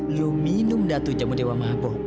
lu minum dah tuh jamu dewa mahaboh